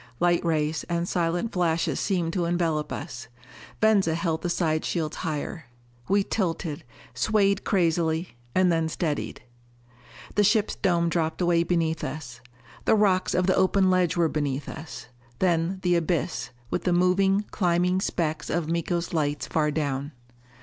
Light rays and silent flashes seemed to envelope us. Venza held the side shields higher. We tilted, swayed crazily, and then steadied. The ship's dome dropped away beneath us. The rocks of the open ledge were beneath us. Then the abyss, with the moving, climbing specks of Miko's lights far down.